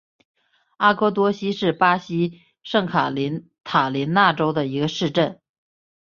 阿瓜多西是巴西圣卡塔琳娜州的一个市镇。